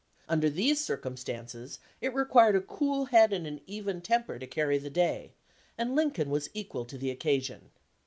Under these circum stances it required a cool head and an even temper to carry the day, and Lincoln was equal to the occasion.